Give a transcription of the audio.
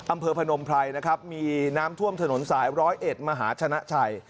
พนมไพรนะครับมีน้ำท่วมถนนสายร้อยเอ็ดมหาชนะชัย